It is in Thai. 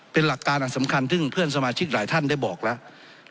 เป็นหลักการอันสำคัญซึ่งเพื่อนสมาชิกหลายท่านได้บอกแล้ว